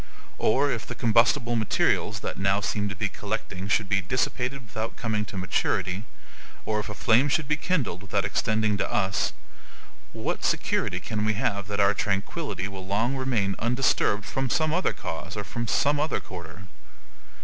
Or if the combustible materials that now seem to be collecting should be dissipated without coming to maturity, or if a flame should be kindled without extending to us, what security can we have that our tranquillity will long remain undisturbed from some other cause or from some other quarter?